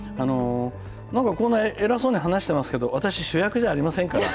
なんかこんな偉そうに話してますけど、私、主役じゃありませんから。